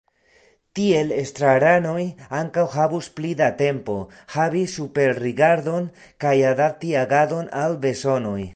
Tiel estraranoj ankaŭ havus pli da tempo, havi superrigardon kaj adapti agadon al bezonoj.